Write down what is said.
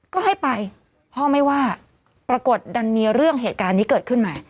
ก็ให้ไปพ่อไม่ว่าปรากฏดันมีเรื่องเหตุการณ์นี้เกิดขึ้นมา